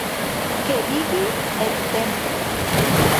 Qué digui eth temple!